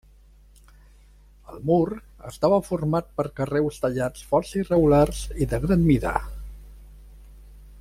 El mur estava format per carreus tallats força irregulars i de gran mida.